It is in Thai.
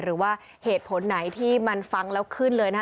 หรือว่าเหตุผลไหนที่มันฟังแล้วขึ้นเลยนะคะ